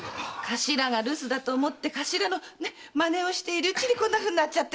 頭が留守だと思って頭の真似をしているうちにこんなふうになっちゃって。